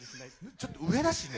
ちょっと上だしね。